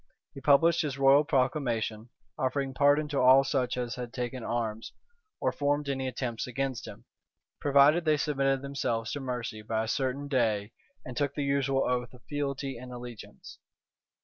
He published his royal proclamation, offering pardon to all such as had taken arms, or formed any attempts against him, provided they submitted themselves to mercy by a certain day, and took the usual oath of fealty and allegiance.